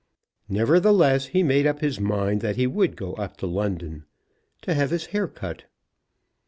Nevertheless, he made up his mind that he would go up to London, to have his hair cut.